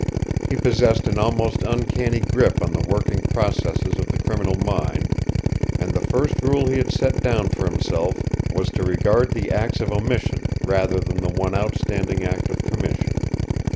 He possessed an almost uncanny grip on the working processes of a criminal mind, and the first rule he had set down for himself was to regard the acts of omission rather than the one outstanding act of commission.